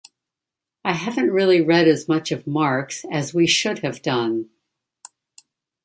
I haven't really read as much of Marx as we should have done.